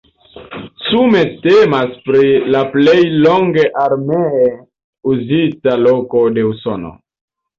Sume temas pri la plej longe armee uzita loko de Usono.